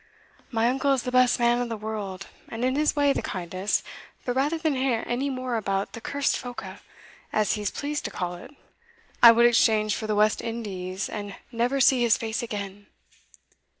"My uncle is the best man in the world, and in his way the kindest; but rather than hear any more about that cursed phoca, as he is pleased to call it, I would exchange for the West Indies, and never see his face again."